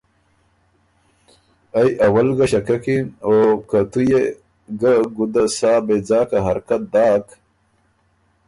ائ اوّل ګۀ ݭککِن او که تُو يې ګه ګُده سا بېځاکه حرکت داک